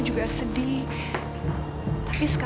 titik saluran cerita berikut circa